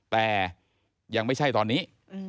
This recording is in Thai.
แต่ยังไม่ใช่ตอนนี้